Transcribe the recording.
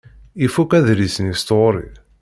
Ifuk adlis-nni s tɣuri.